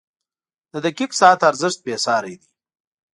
• د دقیق ساعت ارزښت بېساری دی.